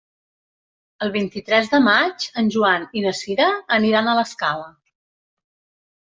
El vint-i-tres de maig en Joan i na Sira aniran a l'Escala.